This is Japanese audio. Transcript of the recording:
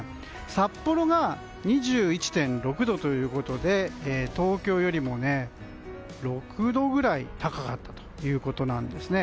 札幌が２１．６度ということで東京よりも６度ぐらい高かったということなんです。